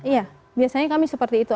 iya biasanya kami seperti itu